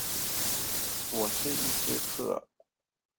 我是一隻鶴